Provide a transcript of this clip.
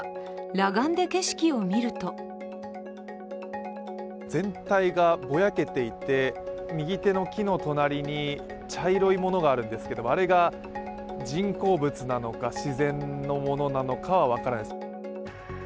裸眼で景色を見ると全体がぼやけていて、右手の木の隣に茶色いものがあるんですけどあれが人工物なのか自然のものなのかは分からないです。